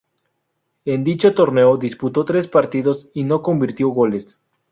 En dicho torneo disputó tres partidos y no convirtió goles.